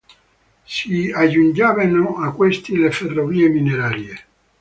Si aggiungevano a questi le ferrovie minerarie.